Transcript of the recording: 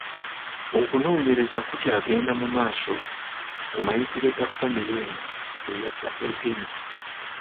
Okunoonyereza ku kyagenda mu maaso, kumayitire ga famire eno eyatta Engenyi.